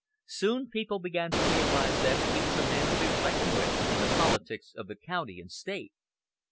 Soon people began to realize that he was a man to be reckoned with in the politics of the county and State.